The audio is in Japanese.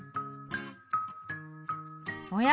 おや？